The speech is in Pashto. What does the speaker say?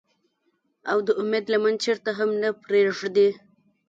او د اميد لمن چرته هم نۀ پريږدي ۔